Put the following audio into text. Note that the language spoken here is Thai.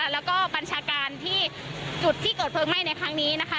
แล้วก็บัญชาการที่จุดที่เกิดเพลิงไหม้ในครั้งนี้นะคะ